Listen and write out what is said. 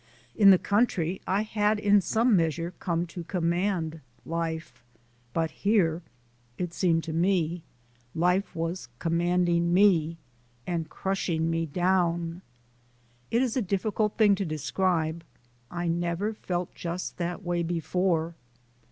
In the country I had in some measure come to command life, but here, it seemed to me, life was commanding me and crushing me down. It is a difficult thing to describe: I never felt just that way before.